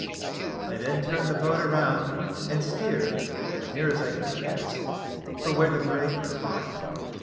I then turned the boat round, and steered, as near as I could guess, for where the brig was lying.